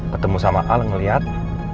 ketemu sama al ngeliat